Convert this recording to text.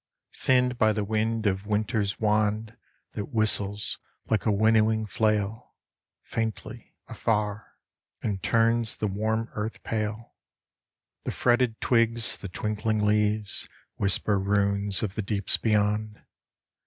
Thinned by the wind of winter's wand That whistles like a winnowing flail, Faintly afar, And turns the warm earth pale ; The fretted twigs, the twinkling leaves Whisper runes of the deeps beyond.